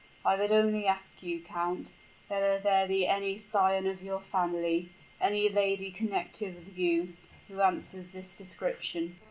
I would only ask you, count, whether there be any scion of your family any lady connected with you who answers this description?"